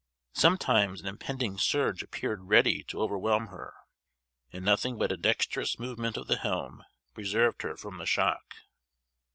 Sometimes an impending surge appeared ready to overwhelm her, and nothing but a dexterous movement of the helm preserved her from the shock.